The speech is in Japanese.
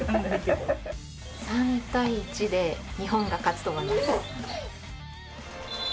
３対１で日本が勝つと思います。